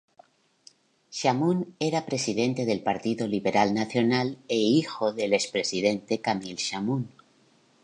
Chamoun era presidente del Partido Liberal Nacional e hijo del expresidente Camille Chamoun.